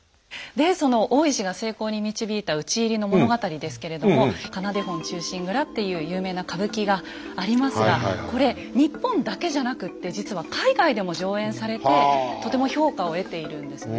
でその大石が成功に導いた討ち入りの物語ですけれども「仮名手本忠臣蔵」っていう有名な歌舞伎がありますがこれ日本だけじゃなくって実は海外でも上演されてとても評価を得ているんですね。